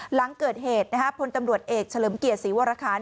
หลังเกิดเหตุพลตำรวจเอกเฉลิมเกียรติศรีวรคาร